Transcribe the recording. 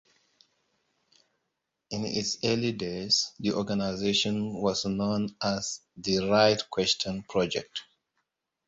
In its early days the organization was known as "the Right Question Project".